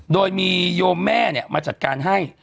โดยมีโยมแม่มาจัดการให้